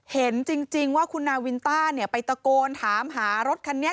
เห็นจริงว่าคุณนาวินต้าเนี่ยไปตะโกนถามหารถคันนี้